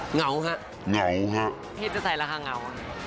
เหงาค่ะเหงาค่ะพี่จะใส่ราคาเหงา